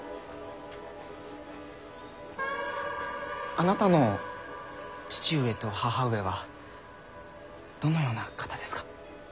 あなたの父上と母上はどのような方ですか？